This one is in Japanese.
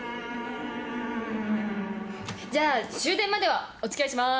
じゃあ終電まではお付き合いします！